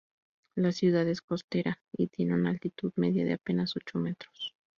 La ciudad es costera, y tiene una altitud media de apenas ocho metros.